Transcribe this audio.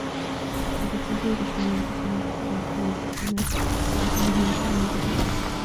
Su ingestión puede ocasionar irritación gastrointestinal provocando náuseas, vómitos y diarrea.